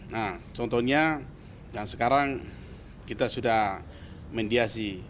nah contohnya sekarang kita sudah mendiasi